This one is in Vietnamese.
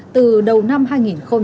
từ đầu năm hai nghìn hai mươi hai đến nay